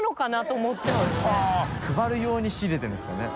武尊）配る用に仕入れてるんですかね？